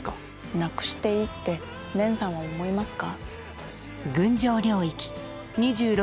なくしていいって蓮さんは思いますか？